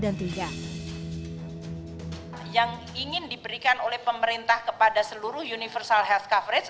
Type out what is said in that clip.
yang ingin diberikan oleh pemerintah kepada seluruh universal health coverage